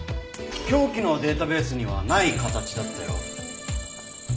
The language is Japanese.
凶器のデータベースにはない形だったよ。